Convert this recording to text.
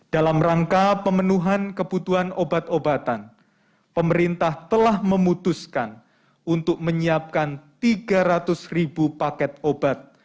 dalam rangka pemenuhan kebutuhan obat obatan pemerintah telah memutuskan untuk menyiapkan tiga ratus ribu paket obat